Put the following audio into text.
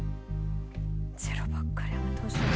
０ばっかりやめてほしい。